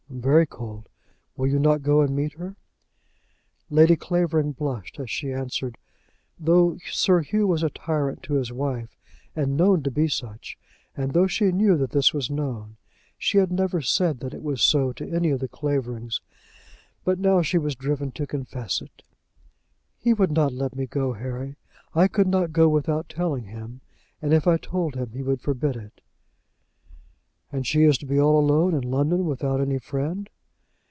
"Very cold. Will you not go and meet her?" Lady Clavering blushed as she answered. Though Sir Hugh was a tyrant to his wife, and known to be such, and though she knew that this was known, she had never said that it was so to any of the Claverings; but now she was driven to confess it. "He would not let me go, Harry. I could not go without telling him, and if I told him he would forbid it." "And she is to be all alone in London, without any friend?"